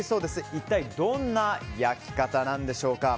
一体どんな焼き方なんでしょうか。